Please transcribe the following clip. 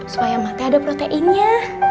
supaya mate ada proteinnya